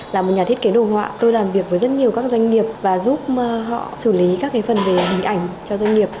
là một nhà thiết kế đồ họa tôi làm việc với rất nhiều các doanh nghiệp và giúp họ xử lý các phần về hình ảnh cho doanh nghiệp